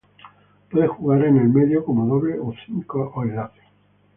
Puede jugar en el medio como doble cinco o enlace.